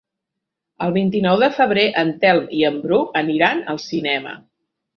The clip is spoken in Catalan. El vint-i-nou de febrer en Telm i en Bru aniran al cinema.